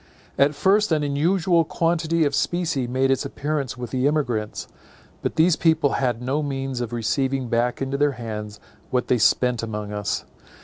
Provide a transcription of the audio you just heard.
At first an unusual quantity of specie made its appearance with the emigrants; but these people had no means of receiving back into their hands what they spent among us.